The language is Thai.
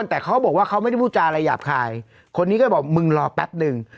แต่เขาบอกว่าเขาไม่ได้พูดจาอะไรหยาบคายคนนี้ก็บอกมึงรอแป๊บหนึ่ง